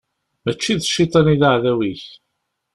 Mačči d cciṭan i d aɛdaw-ik.